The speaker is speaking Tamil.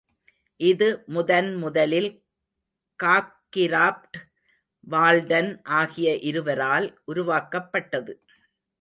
இது முதன்முதலில் காக் கிராப்ட், வால்டன் ஆகிய இருவரால் உருவாக்கப்பட்டது.